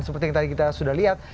seperti yang tadi kita sudah lihat